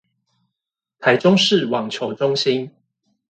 臺中市網球中心